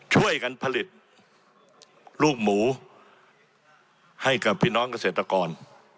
ช่วยกันผลิตลูกหมูให้กับพี่น้องเกษตรกร